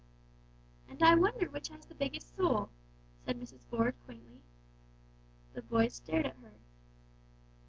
"And I wonder which has the biggest soul?" said Mrs. Ford, quaintly. The boys stared at her.